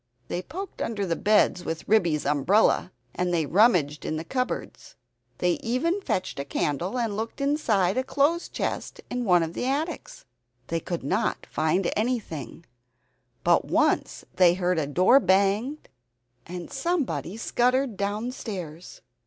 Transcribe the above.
They poked under the beds with Ribby's umbrella and they rummaged in cupboards. They even fetched a candle and looked inside a clothes chest in one of the attics. They could not find anything, but once they heard a door bang and somebody scuttered downstairs.